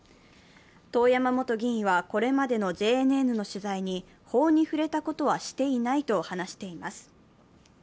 遠山元議員はこれまでのＪＮＮの取材に、法に触れたことはしていないと話しています。